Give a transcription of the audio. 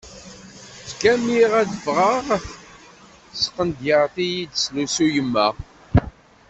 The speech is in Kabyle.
Ttgammiɣ ad ffɣeɣ s tqendyar iyi-teslusu yemma.